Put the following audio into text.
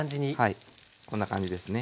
はいこんな感じですね。